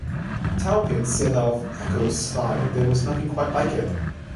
Taupin said of Ackles's style, There was nothing quite like it.